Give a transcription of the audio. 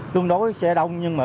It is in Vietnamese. tương đối xe đông nhưng mà